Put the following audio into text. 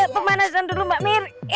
pemanasan dulu mbak mir